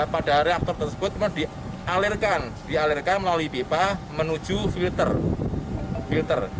pada reaktor tersebut dialirkan melalui pipa menuju filter